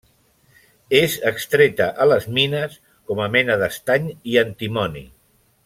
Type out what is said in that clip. És extreta a les mines com a mena d'estany i antimoni.